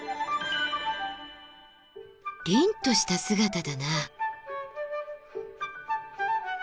凜とした姿だな。